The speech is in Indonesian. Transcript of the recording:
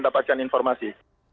dan apa mendapatkan informasi